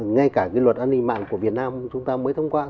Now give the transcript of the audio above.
ngay cả cái luật an ninh mạng của việt nam chúng ta mới thông qua